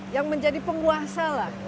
yang menjadi penguasa lah